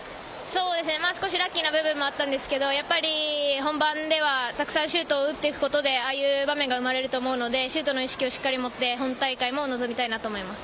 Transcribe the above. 少しラッキーな部分もあったんですけれども、本番ではたくさんシュートを打っていくことでという場面が生まれると思うのでシュートの意識をしっかり持って本大会も臨みたいと思います。